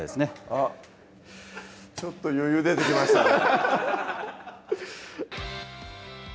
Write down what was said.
あっちょっと余裕出てきましたね